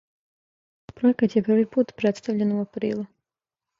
Пројекат је први пут представљен у априлу.